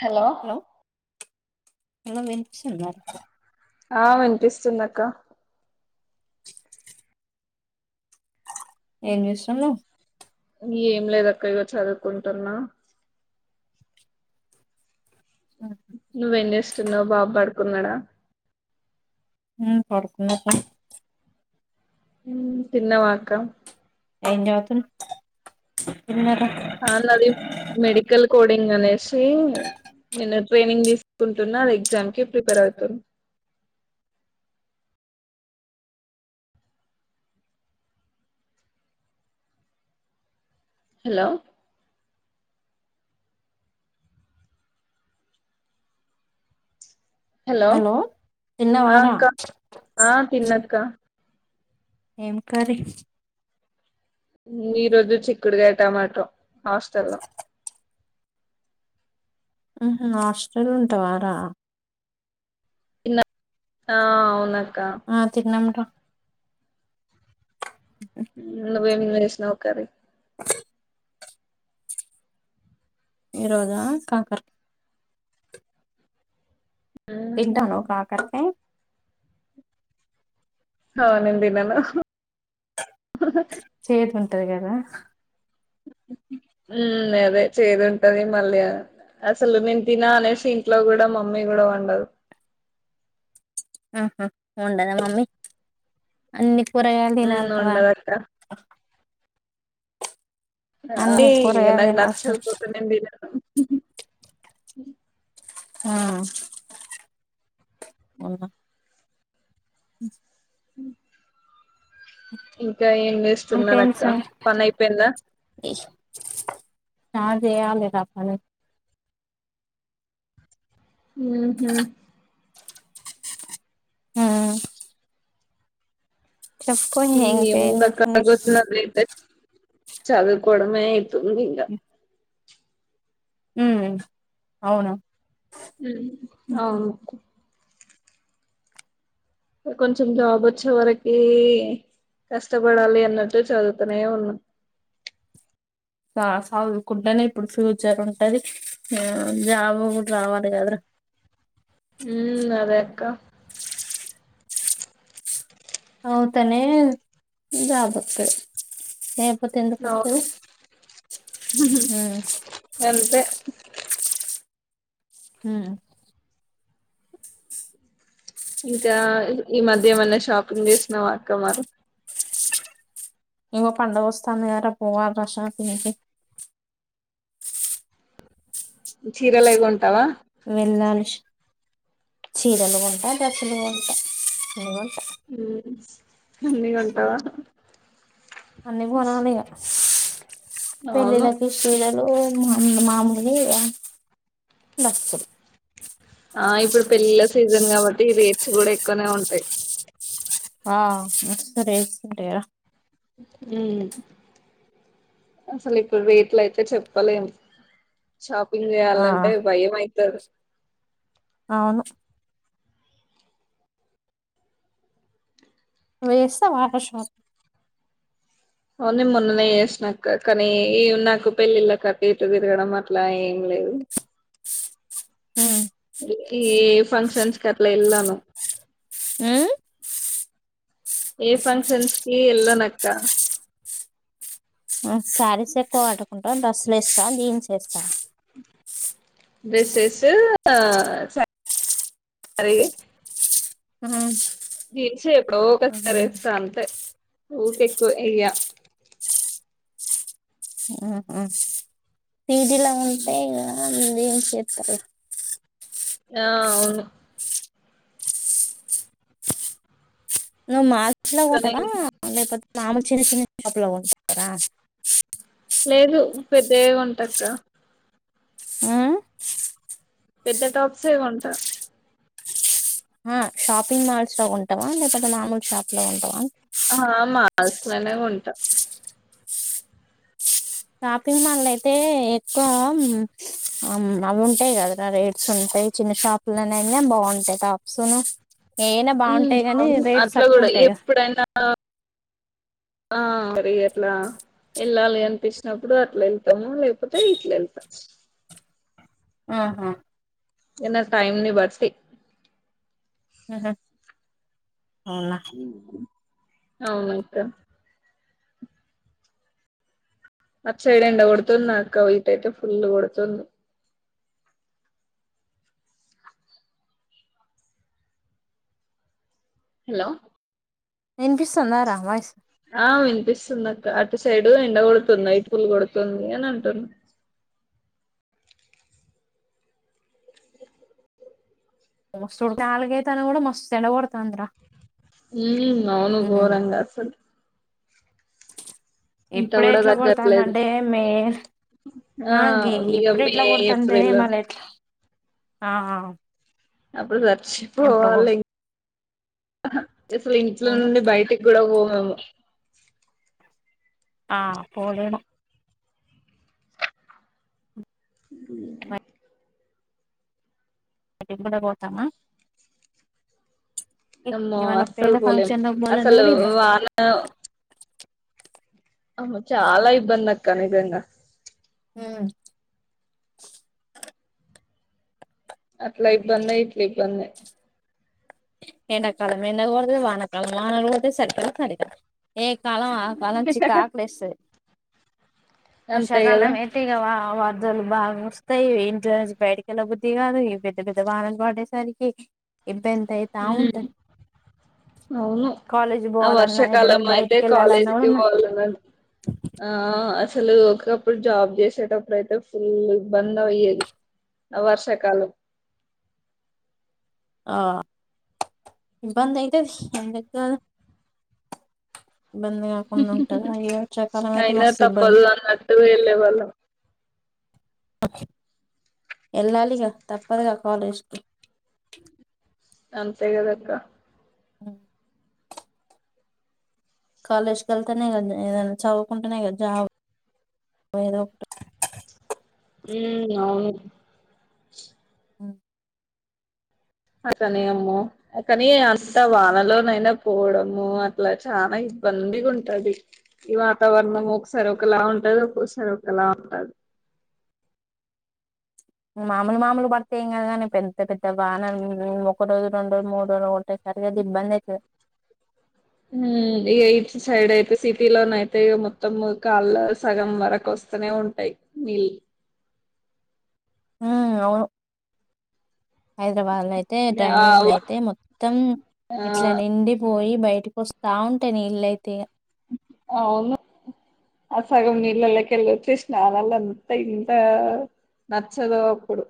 Hello hello వినిపిస్తుందా అహ్ వినిపిస్తుందిక్క ఏంచేస్తాన్లో ఏం లేదు అక్క ఇగో చదువుకుంటున్నా నువ్వెం చేస్తున్నావ్ బాబు పడుకున్నాడా హమ్ పడకుండా పోయిండు తిన్నావా అక్క ఏం చదువు తున్నావు అహ్ నాది మెడికల్ కోడింగ్ అనేసి నేను ట్రైనింగ్ తీసుకుంటున్నా ఎగ్జామ్ కి ప్రిపేర్ అవుతున్న హలో హలో తిన్నవారా ఆక్క ఆ తిన్నత్క్క ఏం కర్రీ ఈ రోజు చిక్కుడుగాయ టమాటా హాస్టల్ లో ఉహూ హాస్టల్లో ఉంటా వారా అహ్ అవునా ఆ తిన్నాం రా నువ్వు ఏమి చేసినావు కర్రీ ఈరోోజా కాకర్ తింటావా కాకర్కై ఆహ్ నేను తినను చేదు ఉంటది కదా ఉమ్ అదే చేదు ఉంటది మళ్ళీ అసలు నేను తిన అనేసి ఇంట్లో కూడా మమ్మీ కూడా వండదు ఆహా ఉండదా మమ్మీ అన్ని కూరగాయలు ఉమ్ తినాలిరా ఉండదక్క అంటే అన్ని కూరగాయలు నాకు తినాలి నచ్చకపోతే నేను తినను ఆహ్ అవునా అ అ [inaudible] ఇంకా ఏం చేేస్తున్నారు ఇంకేం అక్క సంగతి పని అయిపోయిందా స్టార్ట్ చెయ్యలే నా పనులు ఉంహు ఉమ్ చెప్పుకో ఇంకా ఇంకేం ఏముంది చేస్తున్నావ్ అక్క [inaudible] చదువుకోవడమే అయింది ఇగ హమ్ అవును హమ్ అవును కొంచెం జాబ్ వచ్చే వరికి కష్టపడాలి అన్నట్టు చదువుతనే ఉన్నా చదువుకుంటేనే ఇప్పుడు ఫ్యూచర్ ఉంటది జాబ్ కూడా రావాలి కదరా హమ్ అదేక్క చదువుతూనే జాబ్ వస్తది [inaudible] అవును అంతే ఉమ్ ఇంకా ఈ మధ్య ఏమన్నా షాపింగ్ చేసినవా అక్క మరి ఇగ పండుగొస్తంది కదరా పోవాలిరా షాపింగ్ కి చీరలవి కొంటావా? వెళ్లాలి షాపింగ్ కి చీరలు కొంటా డ్రస్సులు కొంటా హ్మ అన్ని కొంటావా? అన్ని కొనాలి ఇగ అవును పెళ్ళిళ్ళకి చీరలు మా మాములు అది డ్రెస్సు ఆ ఇప్పుడు పెళ్ళిళ సీజన్ కాబట్టి రేట్స్ కూడా ఎక్కువనే ఉంటాయి ఆ మస్తు రేట్స్ ఉంటాయి రా హ్మ్ అసలు ఇప్పుడు రేట్లు అయితే చెప్పలేం! షాప్ బిల్లు ఆ చేయాలంటే భయం అయితాద్ అవును! నువ్వు చేస్తావా రా షాపింగ్ నేను మొన్ననే చేసినా అక్క కానీ నాకు పెళ్లిలకు అటు ఇటు తిరగడం అట్లా ఏం లేదు ఉమ్ ఏ ఫంక్షన్స్ కి అట్లా ఎల్లాను హ్మ ఏ ఫంక్షన్స్కి ఎల్లను అక్క వ్ సారీస్ ఎక్కువ కట్టుకుంటావా డ్రెస్ లేస్తావ జీన్స్ ఏస్తావా డ్రెస్సెస్ సార్ రీ హ్మ్ జీన్స్ ఎప్పుడో ఒకసారి ఏస్తా అంతే ఊకె ఎక్కువ ఏయ్య హ్మ పీజీ ల ఉంటే ఇగ జీన్స్ ఏతావు ఆ అవును నువ్ మాల్స్ ల కానీ పోతావా లేకపోతే? మామూలు చిన్న చిన్న షాప్ ల పోతావా లేదు పెద్దయే కొంట అక్క హ్మ్ పెద్ద టాప్స్ ఏ కొంట ఆ షాపింగ్ మాల్స్ లో కొంటవా లేకపోతే మామూలు షాప్ లో కొంటవా? ఆ మాల్స్లనే కొంట. షాపింగ్ మల్లా అయితే ఎక్కువ ఆమ్ అవి ఉంటాయి కదరా రేట్స్ ఉంట్ ఇ చిన్న షాప్ లో అయినా బాగుంటాయి టాప్స్ ను హ్మ అవును అట్లా గుడా ఉంటాయి కదా ఎప్పుడైనా ఆ కరి ఎట్ల వెళ్ళాలి అనిపించినప్పుడు అట్ల వెళ్తాము లేకపోతే ఇట్ల ఏళ్తాం ఆహా ఎ నా టైమ్ ని బట్టి హ్మ హ్మ ఉనా అవును అక్క అట్ సైడ్ ఎండ కొడుతుంద అక్క? ఇటు అయితే ఫుల్ కొడుతుంది! హలో వినిపిస్తుందా రా వాయిస్? ఆ వినిపిస్తుంది అక్క అటు సైడు ఎండ కొడుతుంద? ఇటు ఫుల్లు కొడుతుంది అని అంటున్న! మస్తుడుత నలుగైతాన కూడా మస్త్ ఎండాగొడ్తంది ర హ్మ అవును గోరంగా అసల్ ఇప్పుడే కూడా ఇట్లా కొడతంది తగ్గట్లేదు అంటే మే! ఆ అ గే ఇగ ఇప్పుడు మే ఎట్లా కొడతుంటే ఏప్రిల్ మళ ఎట్లా ఆ అప్పుడు ఎప్పుడో చచ్చిపోవాలి అసలు ఇంట్లో కొడుతాను నుండి బయటికి కూడా పోమ్ అవు ఆ పోలేనా ఉ నిమ్మల పోతామా అమ్మో ఇవాళ అస్సలు పోయినాకంచి పోలేము అన్నా మల్ల అన్నా అసలు కూడా ఇబ్బంది వాన అమ్మ చాలా ఇబ్బంది అక్క నిజంగా ఉ అట్లా ఇబ్బందే ఇట్ల ఇబ్బందే ఎండకాలం ఎండ కొడుతది వానకాలం వానలు పడుతాయి చలికాలం చలికాలం ఏ కాలం ఆ పనం చికాకు లేస్తది అంతే కదా వర్షాకాలం మేతిగవా వాట్ దన్ బాగా వస్తాయి ఇంట్ల నుంచి బయటికీ వెళ్ళా బుద్ధి కాదు ఈ పెద్ద పెద్ద వానలు పడేసరికి ఎంత ఎంత అయితా ఉమ్ ఉంటంది అవును ఆ ఏటైనా వర్షాకాలం అయితే బయటికి వెళ్ళాలన్నా కాలేజీకి కూడా మ పోలేదు అండి ఆస్ అసలు ఒకప్పుడు జాబ్ చేసేటప్పుడు అయితే ఫుల్ ఇబ్బంద అయ్యేది ఆ వర్షాకాలం ఆ ఇబ్బంది అయితది ఎందుకు కాదు ఇబ్బంది కాకుండా ఉంటది ఈ వర్షాకాలం అయితే అయినా మస్తు ఇబ్బంది తప్పదు అన్నట్టు వెళ్ళే వాళ్ళం వెళ్ళాలిగా తప్పదుగా కాలేజ్ కి అంతే కదా అక్క ఉ కాలేజ్ వెళ్తానే కదా ఏదనా చదువుకుంటేనే కదా జాబ్ ఏదోకటి ఉ అవును అకని ఆమ్మో కాని అంతా వానలోనైనా పోవడము అట్లా చాలా ఇ ఇబ్బందిగా ఉంటది ఈ వాతావరణం ఒకసారి ఒకలా ఉంటది ఒక్కొసారి ఒకలా ఉంటది మాములు మాములు పడుతే ఏం కాదు గాని పెద్ద పెద్ద వానను ఒక రోజు రెండు రోజు మూడు రోజులు కొట్టి గట్టుగితే ఇబ్బంది అయితది ఉ ఇక ఈచ్ సైడ్ అయితే సిటీ లోన అయితే ఇగ మొత్తం కాళ్ళ సగం వరకు వసు వస్తనే ఉంటాయి నీలు ఉ అవును హైదరాబాద్ లో అయితే ఆ డ్రైనేజ్ లో అయితే మొత్తం ఆ ఇట్లా నిండిపోయి బయటకి వస్తా ఉంటాయి నీళ్లుఅయితే అవును ఆ సగం నీళ్లలో కెళ్ళి వచ్చేసిన ల్లను ఇత్తాయి ఇంత నచ్చదు అప్పుడు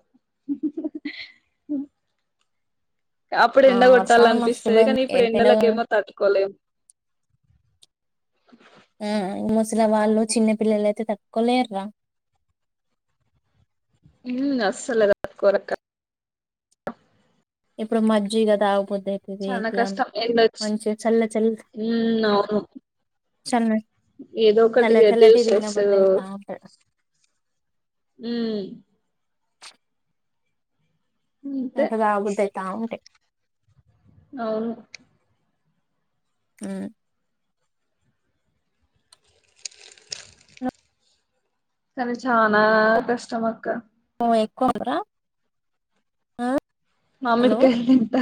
అప్పుడు ఆ ఎండ కొట్టాల వర్షాలు మస్తు అనిపిస్తుది ఇబ్బంది కానీ ఇప్పుడు ఎండ ఎండలకు ఏమో తట్టుకోలేము ఆ ముసలా వాళ్ళు చిన్న పిల్లలయితే తట్టుకో లేర్రా ఉ అస్సలే తట్టుకోరు అక్క ఇప్పుడు మజ్జి కదా తాగిపోతు చాల కష్టం ఎండ వచ్చు చల్ల చల్ల ఉ అవును చల్ల ఏదో ఒకటి చల్ల ఇగా చల్లటివి జ్యూసెస్ ఉ తినబుద్ది అయితా ఉంటది [inaudible] అంతే ఇంకా తాగా బుద్ధి అయితా ఉంటాయి నవును ఆ అని చనా కష్టం అక్క ఎక్కువందరా [inaudible] మామిడికాయలు ఎంత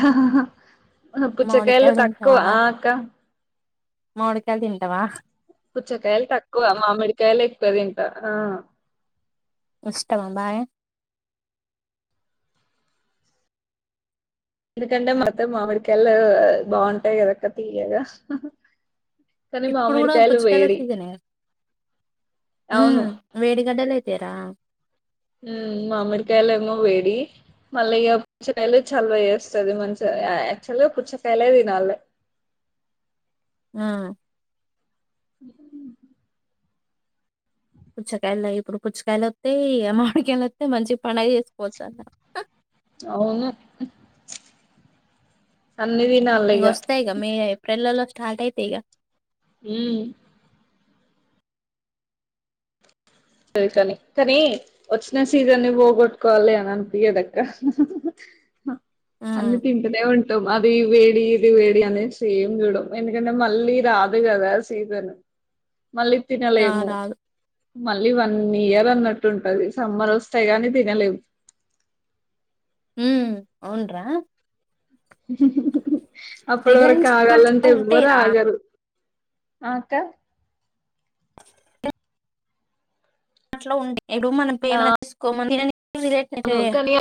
పుచ్చకాయలు మామిడికాయలు తక్కువ ఆ అక్క మాడికాయలు తింటావా పుచ్చకాయలు తక్కువ మామిడికాయలు ఎక్కువ తింటా ఆ ఇష్టవా మరి ఎందుకంటే మాత్తం మామిడికాయ బాగుంటాయి కదక్క తీయగా కానీ ఇప్పుడు కూడా మామిడికాయలు పుచ్చుకాయాల వేడి సీజన్ యే అవును వేడిగడ్డలు అయితే తరా ఉ మామడి కాయలు ఎమో వేడి మళ్ళీ ఇక పుచ్చకాయలు చలవ చేస్తాది మంచిగా యాక్టువల్గా పుచ్చకాయలే తినాలి [inaudible] ఆ అ పుచ్చకాయలు ఇప్పుడు పుచ్చకాయలు వస్తయి అ మామడికయలు వస్త మంచి పండగ చేసుకోవచ్చు చాల అవును అన్ని తినాలి ఇక ఇగ వస్తాయి ఇక మే ఏప్రిల్లో స్టార్ట్ అయితా ఇక ఆ సరే కాని కానీ వచ్చిన సీజన్ని ని పోగొట్టుకోవాలి అని అనిపియాదు అక్క అన్ని ఉమ్, తింటనే ఉంటు మా ఇది వేడి ఇది వేడి అనేది ఏం చూడము ఎందుకంటే మళ్ళీ రాదు కదా సీజన్ మళ్ళీ ఆ తినలేము రాదు మళ్ళీ వన్ ఇయర్ అన్నట్టు ఉంటది సమ్మర్ వస్తాయి కాని తినలేము హ అవును రా అప్పటి వరకు రిలయన్స్ మార్ట్ ఆగాలంటే లో ఉంటాయి ఎవ్వరు రా ఆగరు ఆ అక్క అట్లో ఉండే ఎడు మనం ఏమైనా తీసుకోమ రిలేటె అవును [inaudible] కానీ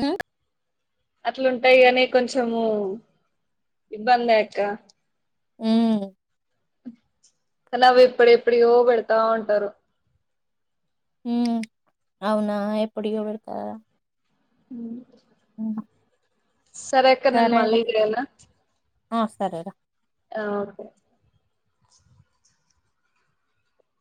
ఉమ్ అట్లాంటాయి కాని కొంచము ఇబ్బంది అక్క ఉమ్ కానీ అవి ఇప్పుడు ఎప్పుడియో పెడతా ఉంటారు హ అవునా ఎప్పడియో పెడతారా అ అ సరే అక్క నేను మళ్ళీ చేయనా ఆ సరేరా ఆ ఓకే